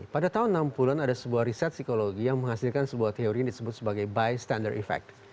pada tahun enam puluh an ada sebuah riset psikologi yang menghasilkan sebuah teori yang disebut sebagai bystander effect